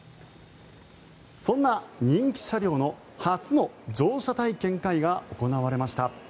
そんな人気車両の初の乗車体験会が行われました。